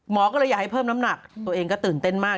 ก็เลยอยากให้เพิ่มน้ำหนักตัวเองก็ตื่นเต้นมาก